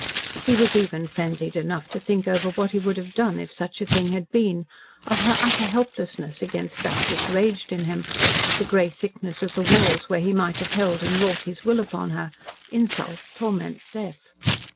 He was even frenzied enough to think over what he would have done, if such a thing had been of her utter helplessness against that which raged in him of the grey thickness of the walls where he might have held and wrought his will upon her insult, torment, death.